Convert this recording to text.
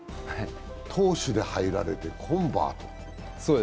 投手で入られて、コンバート。